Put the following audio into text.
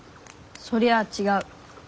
そりゃあ違う。